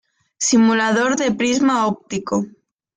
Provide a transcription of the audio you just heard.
Simulador de prisma óptico